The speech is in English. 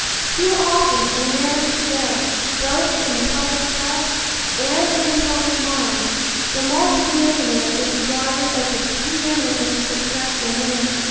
Too often in America to day, both in the public press and in the public mind, the multi millionaire is regarded as the pre eminently successful man.